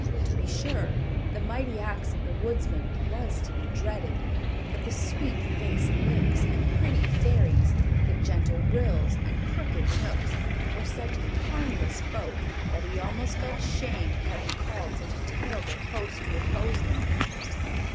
To be sure the mighty ax of the Woodsman was to be dreaded, but the sweet faced Nymphs and pretty Fairies, the gentle Ryls and crooked Knooks were such harmless folk that he almost felt shame at having called such a terrible host to oppose them.